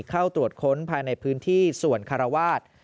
เข้าตรวจค้นภายในพื้นที่ส่วนคารวาส